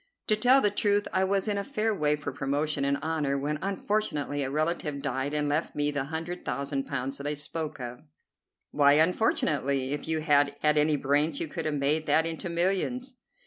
To tell the truth, I was in a fair way for promotion and honor when unfortunately a relative died and left me the hundred thousand pounds that I spoke of." "Why unfortunately? If you had had any brains you could have made that into millions."